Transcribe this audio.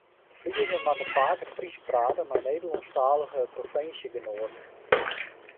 Friezen moatte faker Frysk prate mei Nederlânsktalige provinsjegenoaten.